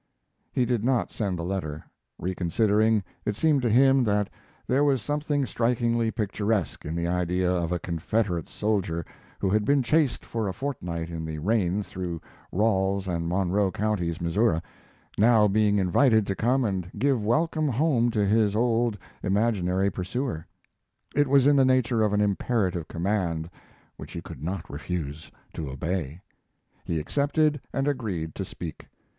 He did not send the letter. Reconsidering, it seemed to him that there was something strikingly picturesque in the idea of a Confederate soldier who had been chased for a fortnight in the rain through Ralls and Monroe counties, Missouri, now being invited to come and give welcome home to his old imaginary pursuer. It was in the nature of an imperative command, which he could not refuse to obey. He accepted and agreed to speak.